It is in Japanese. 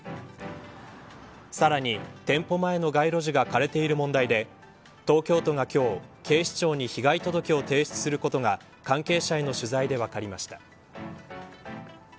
さらに、店舗前の街路樹が枯れている問題で東京都が今日警視庁に被害届を提出することが関係者への取材で分かりました。